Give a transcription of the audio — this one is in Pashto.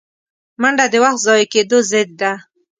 منډه د وخت ضایع کېدو ضد ده